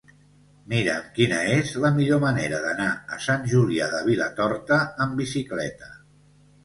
Mira'm quina és la millor manera d'anar a Sant Julià de Vilatorta amb bicicleta.